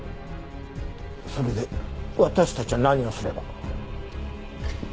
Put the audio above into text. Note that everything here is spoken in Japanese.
それで私たちは何をすれば？